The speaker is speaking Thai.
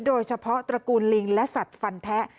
โดยเฉพาะตระกูลลิงและสัตว์ฟันแท้